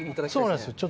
そうなんですよ。